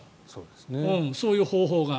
そういう方法が。